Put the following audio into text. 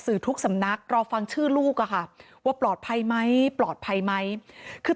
ทุกสำนักรอฟังชื่อลูกอะค่ะว่าปลอดภัยไหมปลอดภัยไหมคือ